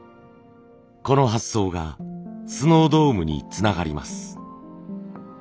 この発想がスノードームにつながります。